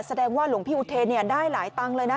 แสดงว่าหลงพี่อุทธิ์เนี่ยได้หลายตังค์เลยนะ